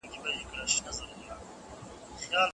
د پوهې د لارو چارو مطالعه کول د علم د پرمختیا لپاره اړینه ده.